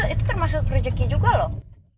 itu termasuk rezeki juga loh